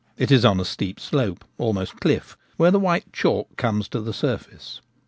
It is on a steep slope — almost cliff — where the white chalk comes to the surface.